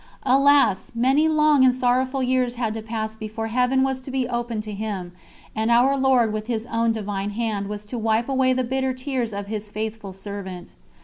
Alas! Many long and sorrowful years had to pass before Heaven was to be opened to him, and Our Lord with His Own Divine Hand was to wipe away the bitter tears of His faithful servant.